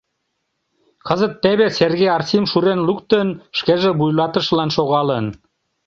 Кызыт теве Серге Арсим шурен луктын, шкеже вуйлатышылан шогалын.